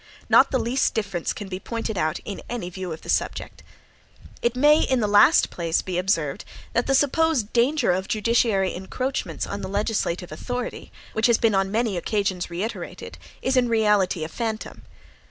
Not the least difference can be pointed out in any view of the subject. It may in the last place be observed that the supposed danger of judiciary encroachments on the legislative authority, which has been upon many occasions reiterated, is in reality a phantom.